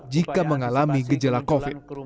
jika mengalami gejala covid